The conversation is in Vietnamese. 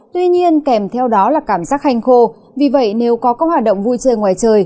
tuy nhiên kèm theo đó là cảm giác hành khô vì vậy nếu có các hoạt động vui chơi ngoài trời